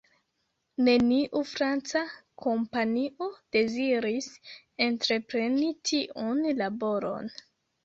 Neniu franca kompanio deziris entrepreni tiun laboron.